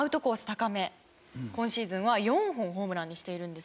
高め今シーズンは４本ホームランにしているんですね。